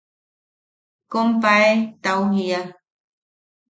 –Kompae –tau jiia.